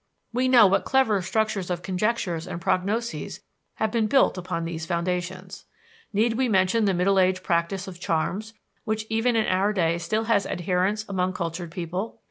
We know what clever structures of conjectures and prognoses have been built on these foundations. Need we mention the Middle Age practice of charms, which even in our day still has adherents among cultured people?